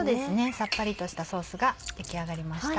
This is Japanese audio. さっぱりとしたソースが出来上がりました。